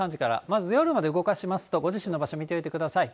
まず夜まで動かしますと、ご自身の場所見ていてください。